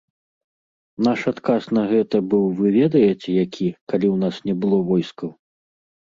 Наш адказ на гэта быў вы ведаеце які, калі ў нас не было войскаў?